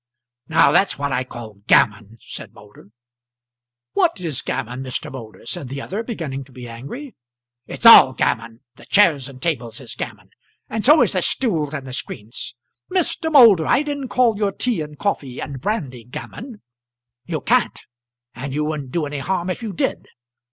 "Now, that's what I call gammon," said Moulder. "What is gammon, Mr. Moulder?" said the other, beginning to be angry. "It's all gammon. The chairs and tables is gammon, and so is the stools and the screens." "Mr. Moulder, I didn't call your tea and coffee and brandy gammon." "You can't; and you wouldn't do any harm if you did.